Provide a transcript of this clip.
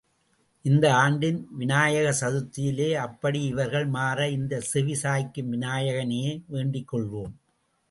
இந்த ஆண்டின் விநாயக சதுர்த்தியிலே அப்படி இவர்கள் மாற இந்த செவி சாய்க்கும் விநாயகனையே வேண்டிக் கொள்வோம்.